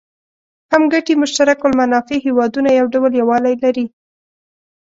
هم ګټي مشترک المنافع هېوادونه یو ډول یووالی لري.